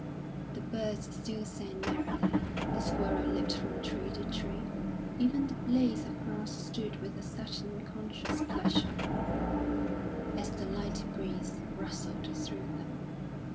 The birds still sang merrily, the squirrel leaped from tree to tree; even the blades of grass stood with a certain conscious pleasure, as the light breeze rustled through them.